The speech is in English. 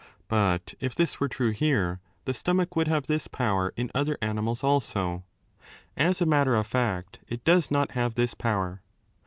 But if this were true here, the stomach would have this power in other animals also. As a matter of fact, it does not have this power.